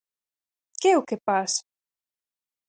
¿Que é o que pasa?